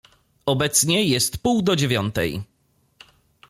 "Obecnie jest pół do dziewiątej."